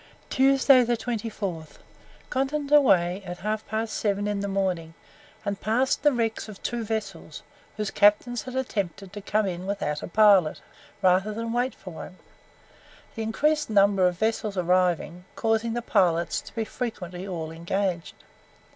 TUESDAY, 24. Got under weigh at half past seven in the morning, and passed the wrecks of two vessels, whose captains had attempted to come in without a pilot, rather than wait for one the increased number of vessels arriving, causing the pilots to be frequently all engaged.